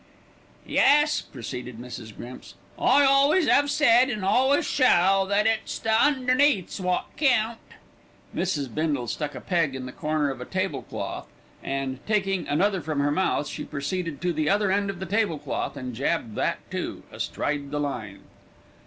"Yes," proceeded Mrs. Grimps, "I always 'ave said an' always shall, that it's the underneaths wot count." Mrs. Bindle stuck a peg in the corner of a tablecloth and, taking another from her mouth, she proceeded to the other end of the tablecloth and jabbed that, too, astride the line.